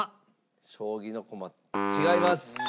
将棋の駒違います。